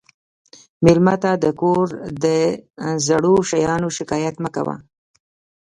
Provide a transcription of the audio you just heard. مېلمه ته د کور د زړو شیانو شکایت مه کوه.